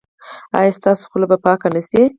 ایا ستاسو خوله به پاکه نه شي؟